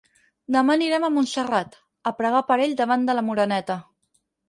Demà anirem a Montserrat, a pregar per ell davant de la Moreneta.